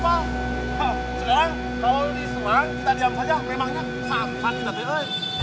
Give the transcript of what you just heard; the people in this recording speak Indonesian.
memangnya sangat sangat kita terlalu